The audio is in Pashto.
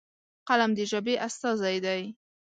قلم د ژبې استازی دی.